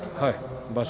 場所